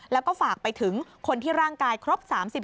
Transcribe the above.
แล้วก็ฝากไปถึงคนที่ร่างกายครบ๓๐